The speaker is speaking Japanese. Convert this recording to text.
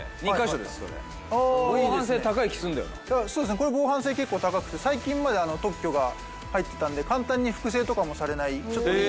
これ防犯性結構高くて最近まで特許が入ってたんで簡単に複製とかもされないちょっといい。